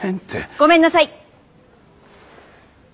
ごめんなさい。